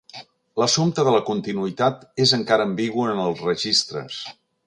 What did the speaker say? L'assumpte de la continuïtat és encara ambigu en els registres.